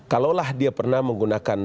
kalau lah dia pernah menggunakan